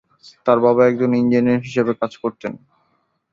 তাঁর বাবা একজন ইঞ্জিনিয়ার হিসাবে কাজ করতেন।